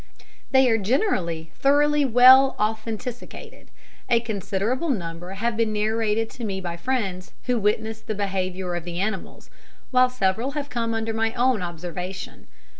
They are generally thoroughly well authenticated. A considerable number have been narrated to me by friends who witnessed the behaviour of the animals, while several have come under my own observation.